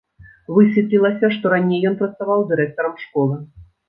Высветлілася, што раней ён працаваў дырэктарам школы.